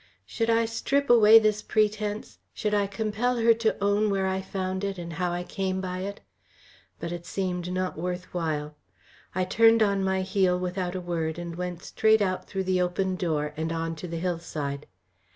Should I strip away this pretence? Should I compel her to own where I found it and how I came by it? But it seemed not worth while. I turned on my heel without a word, and went straight out through the open door and on to the hillside.